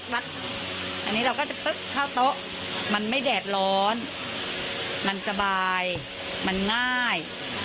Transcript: อันนี้เราก็จะปุ๊บเข้าโต๊ะมันไม่แดดร้อนมันสบายมันง่าย